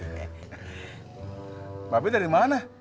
mbak be dari mana